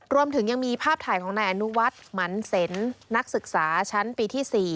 รวมถึงยังมีภาพถ่ายของนายอนุวัฒน์หมันเซ็นนักศึกษาชั้นปีที่๔